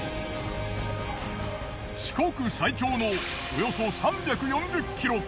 四国最長のおよそ３４０ｋｍ。